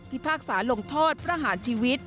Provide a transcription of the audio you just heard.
พากษาลงโทษประหารชีวิต